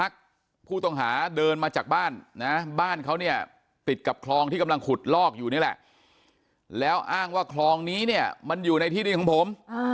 อ้างแล้วอ้างว่าคลองนี้เนี่ยมันอยู่ในที่ดินของผม